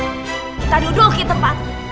kita duduk di tempatnya